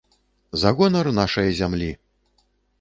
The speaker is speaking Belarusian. За гонар нашае зямлі!